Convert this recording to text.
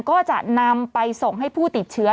ก็จะนำไปส่งให้ผู้ติดเชื้อ